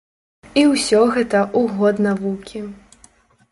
І ўсё гэта ў год навукі!